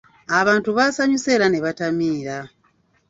Abantu baasanyuse era ne batamiira.